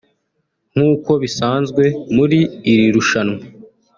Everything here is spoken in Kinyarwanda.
nk’uko bisanzwe muri iri rushanwa